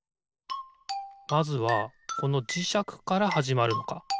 まずはこのじしゃくからはじまるのか。